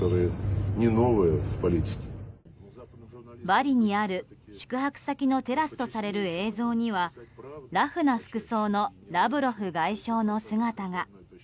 バリにある宿泊先のテラスとされる映像にはラフな服装のラブロフ外相の姿が。